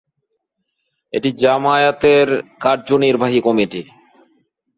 এটি জামায়াতের কার্যনির্বাহী কমিটি।